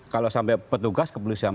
kalau sampai petugas kepolisian